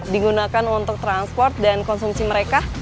digunakan untuk transport dan konsumsi mereka